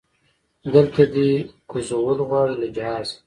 دلته دی کوزول غواړي له جهازه